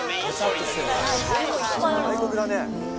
外国だね。